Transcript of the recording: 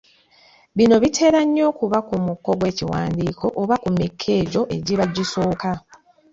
Bino bitera nnyo okuba ku muko gw’ekiwandiiko oba ku miko egyo egiba gisooka.